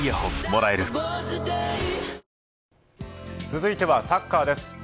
続いてはサッカーです。